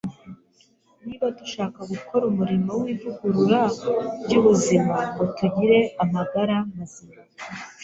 Niba dushaka gukora umurimo w’ivugurura ry’ubuzima ngo tugire amagara mazima,